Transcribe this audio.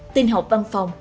tinh học văn phòng